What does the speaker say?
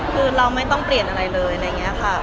คือเราไม่ต้องเปลี่ยนอะไรเลยอะไรอย่างนี้ค่ะ